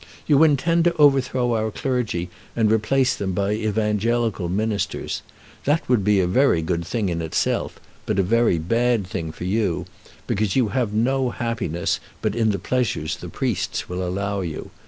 You intend to overthrow our clergy and replace them by evangelical ministers. That would be a very good thing in itself, but a very bad thing for you, because you have no happiness but in the pleasures the priests allow you.